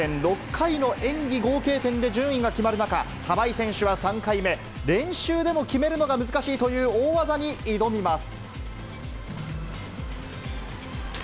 ６回の演技合計点で順位が決まる中、玉井選手は３回目、練習でも決めるのが難しいという大技に挑みます。